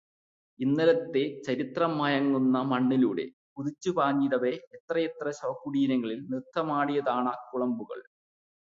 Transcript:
ഇന്നലത്തെ ചരിത്രം മയങ്ങുന്ന മണ്ണിലൂടെ കുതിച്ചുപാഞ്ഞീടവെ എത്രയെത്ര ശവകുടീരങ്ങളിൽ ന്രുത്തമാടിയതാണാക്കുളമ്പുകൾ